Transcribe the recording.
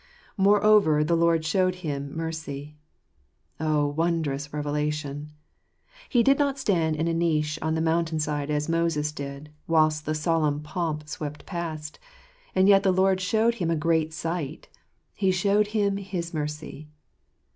Moreover, the Lord showed him mercy. Oh, wondrous revelation ! He did not stand in a niche on the mountain side, as Moses did, whilst the solemn pomp swept past; and yet the Lord showed him a great sight — He showed him his mercy.